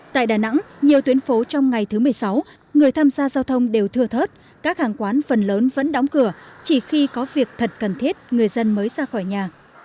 tại đà nẵng nhiều tuyến phố trong ngày thứ một mươi sáu người tham gia giao thông đều thừa thớt các hàng quán phần lớn vẫn đóng cửa chỉ khi có việc thật cần thiết người dân mới ra khỏi nhà